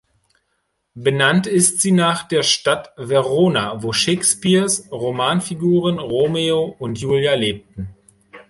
Benannt ist sie nach der Stadt Verona, wo Shakespeares Romanfiguren Romeo und Julia lebten.